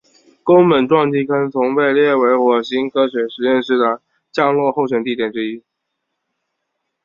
宫本撞击坑曾被列为火星科学实验室的降落候选地点之一。